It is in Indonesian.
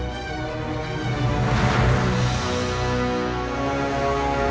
sumpah mati kau urusak jiwaku saat ini